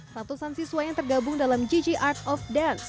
ratusan siswa yang tergabung dalam gg art of dance